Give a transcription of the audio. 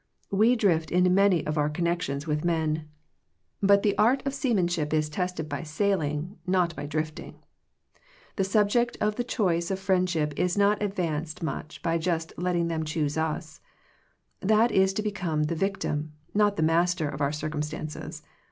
We drift into many of our connections with men, but the art 93 Digitized by VjOOQIC THE CHOICE OF FRIENDSHIP of seamanship is tested by sailing not by drifting. The subject of the choice of friendship is not advanced much by just letting them choose us. That is to be come the victim, not the master of our circumstances.